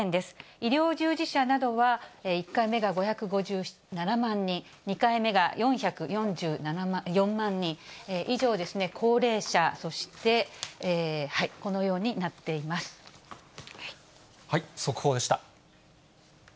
医療従事者などは１回目が５５７万人、２回目が４４４万人、以上ですね、高齢者、そして、このようになっ速報でした。